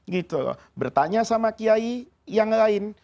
gitu loh bertanya sama kiai yang lain